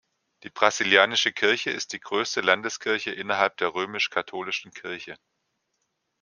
Die brasilianische Kirche ist die größte Landeskirche innerhalb der römisch-katholischen Kirche.